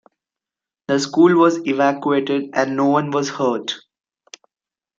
The school was evacuated and no one was hurt.